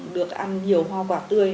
được ăn nhiều hoa quả tươi